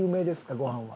ごはんは。